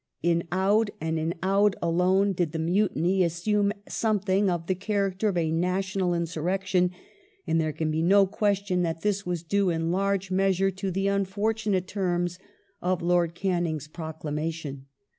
In Oudh, and in Oudh alone, did the Mutiny assume something of the character of a national insurrection, and there can be no question that this was due in large measure to the unfortunate terms of Lord Canning's pro clamation.